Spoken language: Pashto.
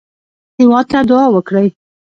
هېواد ته دعا وکړئ